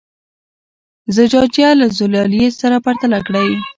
زجاجیه له زلالیې سره پرتله کړئ.